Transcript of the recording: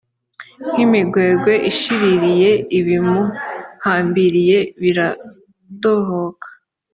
nk imigwegwe ishiririye ibimuhambiriye biradohoka